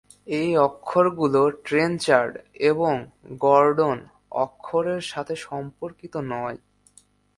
এই অক্ষরগুলো ট্রেঞ্চার্ড এবং গর্ডন অক্ষরের সাথে সম্পর্কিত নয়।